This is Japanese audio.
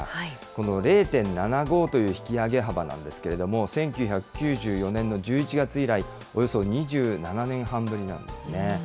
この０．７５という引き上げ幅なんですけれども、１９９４年の１１月以来、およそ２７年半ぶりなんですね。